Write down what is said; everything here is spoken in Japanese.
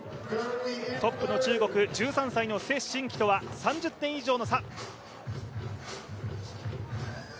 トップの中国、１３歳の崔宸曦とは３０点以上の差。